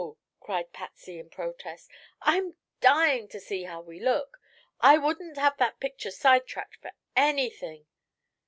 cried Patsy in protest. "I'm dying to see how we look. I wouldn't have that picture sidetracked for anything."